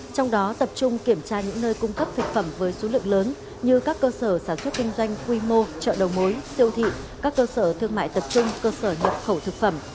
trong đó tập trung kiểm tra những nơi cung cấp thực phẩm với số lượng lớn như các cơ sở sản xuất kinh doanh quy mô chợ đầu mối siêu thị các cơ sở thương mại tập trung cơ sở nhập khẩu thực phẩm